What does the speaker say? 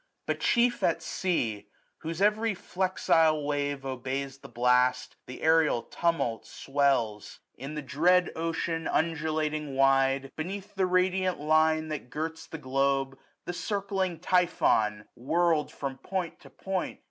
But chief at sea, whose every flexile wave 980 Obeys the blast, the aerial tumult swells. In the dread ocean, undulating wide. Beneath the radiant line that girts the globe. The circling Typhon, whirlM from point to point.